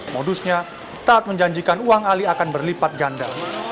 modusnya taat menjanjikan uang ali akan berlipat ganda